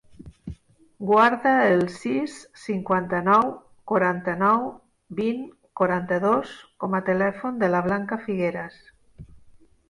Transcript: Guarda el sis, cinquanta-nou, quaranta-nou, vint, quaranta-dos com a telèfon de la Blanca Figueras.